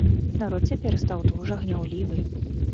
Народ цяпер стаў дужа гняўлівы.